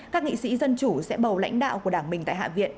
các nghị sĩ dân chủ sẽ bầu lãnh đạo của đảng mình tại hạ viện